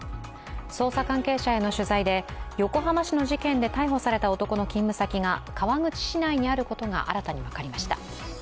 捜査関係者への取材で横浜市の事件で逮捕された男の勤務先が川口市内にあることが新たに分かりました。